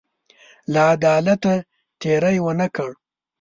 له عدالته تېری ونه کړ.